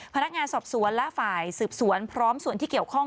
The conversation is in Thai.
พนักงานสอบสวนและฝ่ายสืบสวนพร้อมส่วนที่เกี่ยวข้อง